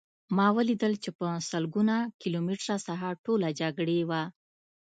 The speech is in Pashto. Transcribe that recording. ما ولیدل چې په سلګونه کیلومتره ساحه ټوله جګړې وه